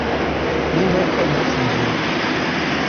Mi ne konas vin.